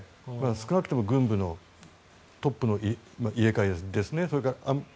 少なくとも軍部のトップの入れ替えですね。